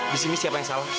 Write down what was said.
di sini siapa yang salah